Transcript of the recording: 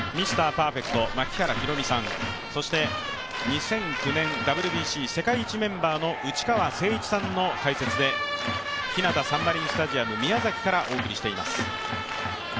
パーフェクト槙原寛己さん、そして２００９年ＷＢＣ世界一メンバーの内川聖一さんの解説で、ひなたサンマリンスタジアム宮崎からお送りしています。